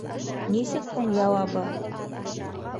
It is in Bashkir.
Нисек һуң яуабы?